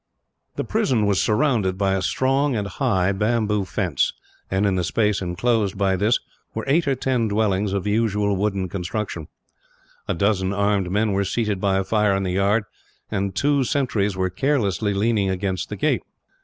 The prison was surrounded by a strong and high bamboo fence, and in the space inclosed by this were eight or ten dwellings of the usual wooden construction. A dozen armed men were seated by a fire in the yard, and two sentries were carelessly leaning against the gate.